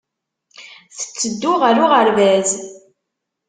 Tetteddu ɣer uɣerbaz.